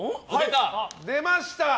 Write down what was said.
出ました！